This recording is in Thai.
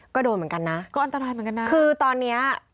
ก็โดนเหมือนกันนะคือตอนนี้ก็อันตรายเหมือนกันนะ